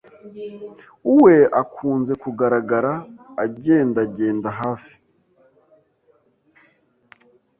we akunze kugaragara agendagenda hafi